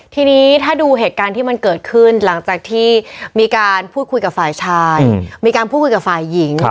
ทีนี้ถ้าดูเหตุการณ์ที่มันเกิดขึ้นหลังจากที่มีการพูดคุยกับฝ่ายชายมีการพูดคุยกับฝ่ายหญิง